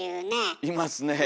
いますねえ。